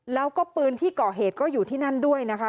แล้วก็ปืนที่ก่อเหตุก็อยู่ที่นั่นด้วยนะคะ